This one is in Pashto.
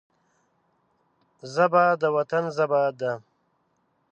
ژبه د وطن ژبه ده